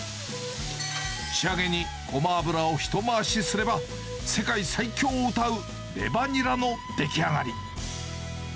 仕上げにごま油を一回しすれば、世界最強をうたうレバニラの出来上がり。